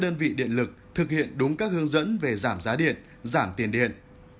đơn vị điện lực thực hiện đúng các hướng dẫn về giảm giá điện giảm tiền điện